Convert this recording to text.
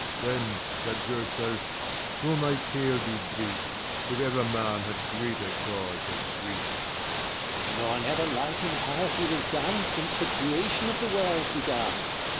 Then judge yourself, although my tale be brief, 1 8 5 If ever man had greater cause of grief. King. Nor never like impiety was done, Since the creation of the world begun.